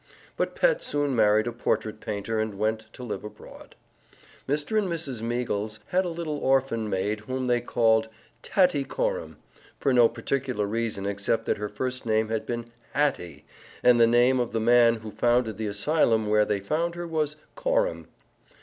But Pet soon married a portrait painter and went to live abroad. Mr. and Mrs. Meagles had a little orphan maid whom they called "Tattycoram," for no particular reason except that her first name had been Hattie, and the name of the man who founded the asylum where they found her was "Coram."